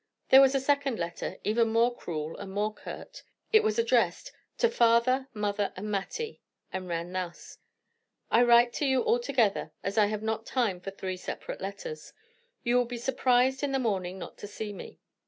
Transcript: There was a second letter, even more cruel and more curt. It was addressed "To Father, Mother, and Mattie," and ran thus: "I write to you all together as I have not time for three separate letters. You will be surprised in the morning not to see me.